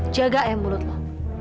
jaga ya mulut lo